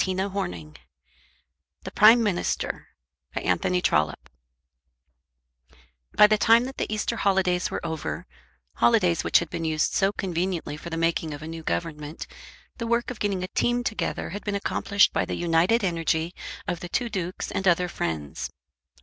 CHAPTER VIII The Beginning of a New Career By the time that the Easter holidays were over, holidays which had been used so conveniently for the making of a new government, the work of getting a team together had been accomplished by the united energy of the two dukes and other friends.